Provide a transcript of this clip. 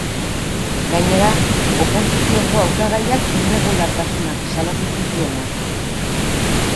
Gainera, oposizioko hautagaiak irregulartasunak salatu zituen atzo.